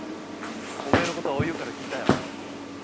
おめえのことはおゆうから聞いたよ。